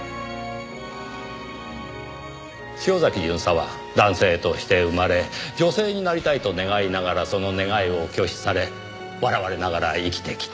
潮崎巡査は男性として生まれ女性になりたいと願いながらその願いを拒否され笑われながら生きてきた。